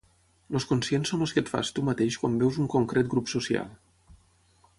Els conscients són els que et fas tu mateix quan veus un concret grup social.